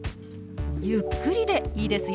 ゆっくりでいいですよ。